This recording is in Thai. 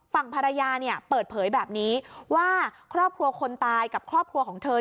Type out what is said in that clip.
ฝั่งภรรยาเนี่ยเปิดเผยแบบนี้ว่าครอบครัวคนตายกับครอบครัวของเธอ